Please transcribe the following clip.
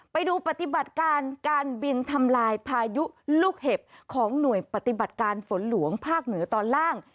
ไปดูปฏิบัติการการบินทำลายพายุลูกเห็บของหน่วยปฏิบัติการฝนหลวงภาคเหนือตอนล่าง